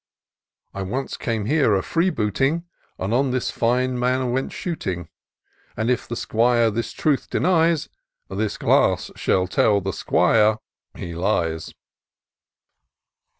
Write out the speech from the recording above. " I once came here a freebooting, And on this fine manor went shooting. And if the 'Squire this truth d^es. This glass shall tell the 'Squire — he lies."